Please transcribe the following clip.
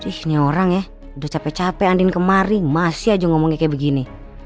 dih ini orang ya udah capek capek andi ini kemari masih aja ngomong kayak begini